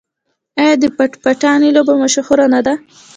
آیا د پټ پټانې لوبه مشهوره نه ده؟